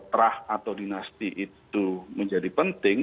terah atau dinasti itu menjadi penting